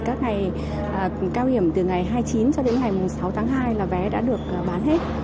các ngày cao điểm từ ngày hai mươi chín cho đến ngày sáu tháng hai là vé đã được bán hết